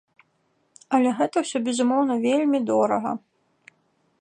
Але гэта ўсё, безумоўна, вельмі дорага.